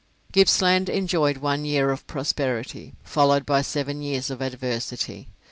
Gippsland enjoyed one year of prosperity, followed by seven years of adversity.